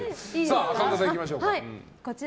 神田さん、いきましょうか。